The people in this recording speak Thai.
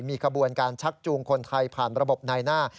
มีขบวนการชักจูงคนไทยผ่านระบบในหน้า